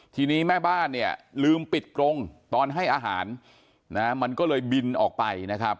ทีนี้แม่บ้านเนี่ยลืมปิดกรงตอนให้อาหารนะมันก็เลยบินออกไปนะครับ